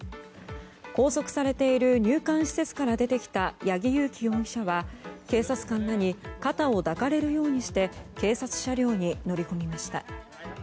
拘束されている入管施設から出てきた八木佑樹容疑者は警察官らに肩を抱かれるようにして警察車両に乗り込みました。